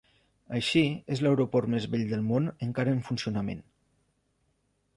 Així és l'aeroport més vell del món encara en funcionament.